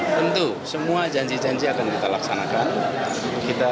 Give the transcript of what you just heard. tentu semua janji janji akan kita laksanakan